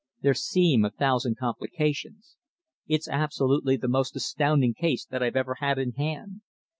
"There seem a thousand complications. It's absolutely the most astounding case that I've ever had in hand.